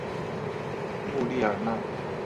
穆列尔讷。